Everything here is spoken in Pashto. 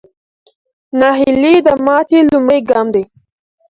ناهیلي د ماتې لومړی ګام دی.